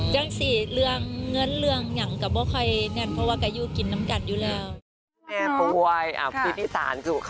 อย่างสิเรื่องเงินเรื่องอย่างกับเมื่อใคร